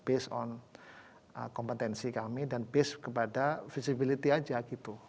based on kompetensi kami dan base kepada visibility aja gitu